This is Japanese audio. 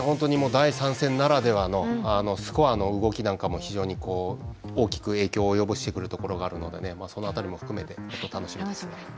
第３戦ならではのスコアの動きなんかも非常に大きく影響を及ぼしてくると思いますのでその辺りも含めて楽しみです。